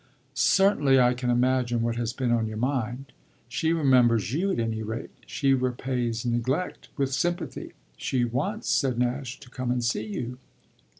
"Certainly I can imagine what has been on your mind. She remembers you at any rate; she repays neglect with sympathy. She wants," said Nash, "to come and see you."